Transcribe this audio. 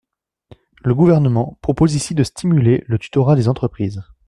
Le Gouvernement propose ici de stimuler le tutorat dans les entreprises.